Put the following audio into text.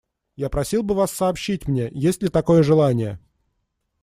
Я просил бы вас сообщить мне, есть ли такое желание.